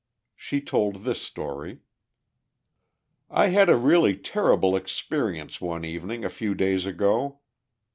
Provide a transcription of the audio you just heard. She told this story: "I had a really terrible experience one evening a few days ago.